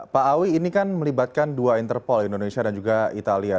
pak awi ini kan melibatkan dua interpol indonesia dan juga italia